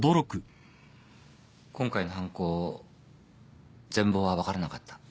今回の犯行全貌は分からなかった。